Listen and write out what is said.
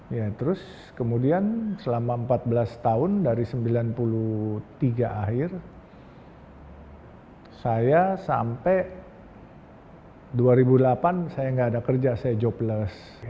ya terus kemudian selama empat belas tahun dari sembilan puluh tiga akhir saya sampai dua ribu delapan saya nggak ada kerja saya jobles